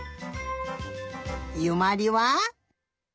ゆまりは？